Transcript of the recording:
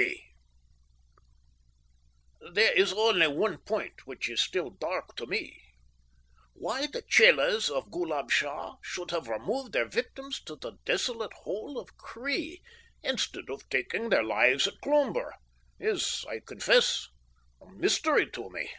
C., C.B. There is only one point which is still dark to me. Why the chelas of Ghoolab Shah should have removed their victims to the desolate Hole of Cree instead of taking their lives at Cloomber, is, I confess, a mystery to me.